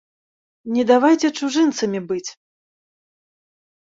Не давайце чужынцамі быць!